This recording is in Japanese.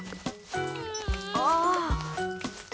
ああ。